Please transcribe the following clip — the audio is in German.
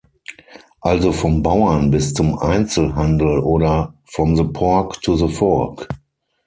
Also vom Bauern bis zum Einzelhandel oder: "from the pork to the fork"!